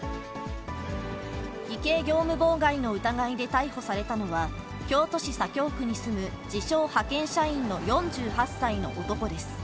偽計業務妨害の疑いで逮捕されたのは、京都市左京区に住む自称派遣社員の４８歳の男です。